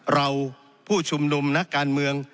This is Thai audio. เราผู้ชุมนุมนักการเมือง